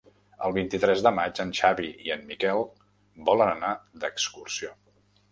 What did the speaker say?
El vint-i-tres de maig en Xavi i en Miquel volen anar d'excursió.